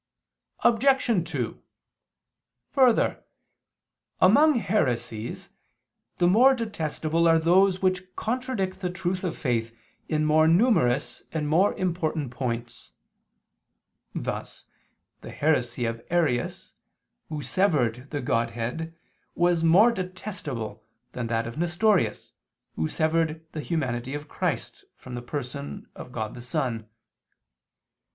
Obj. 2: Further, among heresies, the more detestable are those which contradict the truth of faith in more numerous and more important points: thus, the heresy of Arius, who severed the Godhead, was more detestable than that of Nestorius who severed the humanity of Christ from the Person of God the Son.